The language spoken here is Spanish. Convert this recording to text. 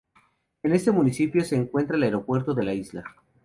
En este municipio se encuentra el aeropuerto de la isla.